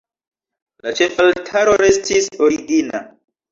La ĉefaltaro restis origina.